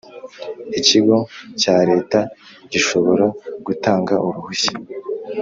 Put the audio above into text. Ikigo cya Leta gishobora gutanga uruhushya